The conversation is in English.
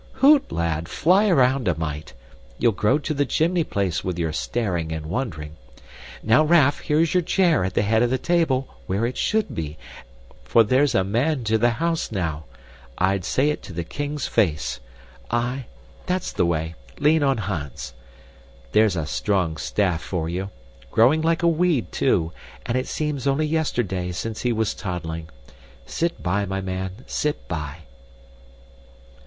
Hoot, lad, fly around a mite. Ye'll grow to the chimney place with your staring and wondering. Now, Raff, here's your chair at the head of the table, where it should be, for there's a man to the house now I'd say it to the king's face. Aye, that's the way lean on Hans. There's a strong staff for you! Growing like a weed, too, and it seems only yesterday since he was toddling. Sit by, my man, sit by."